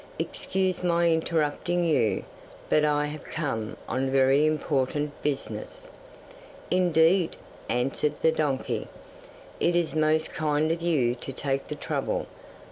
"Excuse my interrupting you, but I have come on very important business." '"Indeed," answered the donkey, "it is most kind of you to take the trouble.